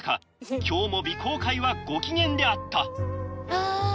今日も鼻甲介はご機嫌であったあ